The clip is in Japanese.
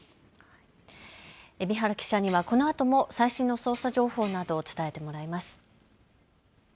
海老原記者にはこのあとも最新の捜査情報などを伝えてもらいます。